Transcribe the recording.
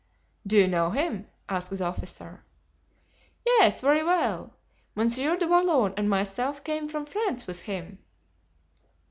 "Do you know him?" asked the officer. "Yes, very well. Monsieur du Vallon and myself came from France with him."